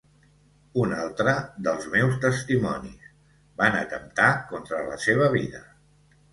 Un altre dels meus testimonis, van atemptar contra la seva vida.